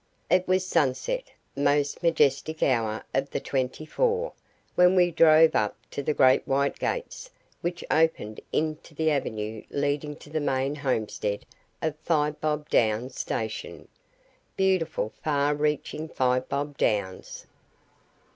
It was sunset most majestic hour of the twenty four when we drove up to the great white gates which opened into the avenue leading to the main homestead of Five Bob Downs station beautiful far reaching Five Bob Downs!